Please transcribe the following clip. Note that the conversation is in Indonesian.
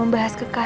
entahlah kita kelar